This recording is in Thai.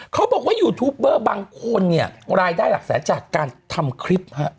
เขาบอกว่ายูทูปเบอร์บางคนเนี่ยรายได้หลักแสนจากการทำคลิปฮะ